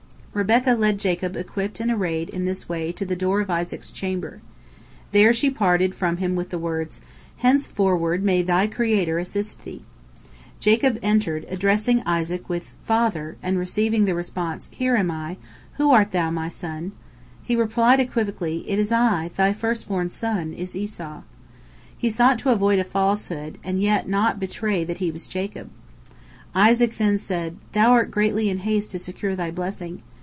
Rebekah led Jacob equipped and arrayed in this way to the door of Isaac's chamber. There she parted from him with the words, "Henceforward may thy Creator assist thee." Jacob entered, addressing Isaac with "Father," and receiving the response, "Here am I! Who art thou, my son?" he replied equivocally, "It is I, thy first born son is Esau." He sought to avoid a falsehood, and yet not betray that he was Jacob. Isaac then said: "Thou art greatly in haste to secure thy blessing.